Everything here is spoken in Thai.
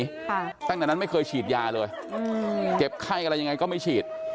ตั้งแต่นั้นไม่เคยฉีดยาเลยอืมเจ็บไข้อะไรยังไงก็ไม่ฉีด